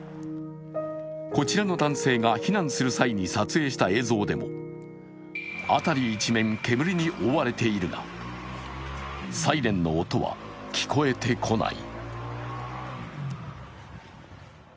こちらの男性が避難する際に撮影した映像でも辺り一面、煙に覆われているがサイレンの音は聞こえてこない。